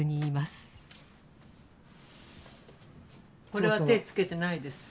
これは手付けてないです。